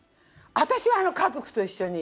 私は家族と一緒に。